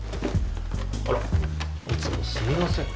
あらいつもすみません。